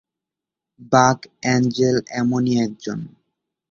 বাক এঞ্জেল এমনই একজন।